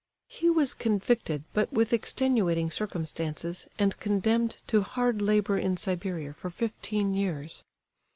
He was convicted, but with extenuating circumstances, and condemned to hard labour in Siberia for fifteen years.